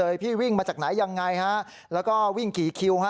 พี่วิ่งมาจากไหนยังไงฮะแล้วก็วิ่งกี่คิวฮะ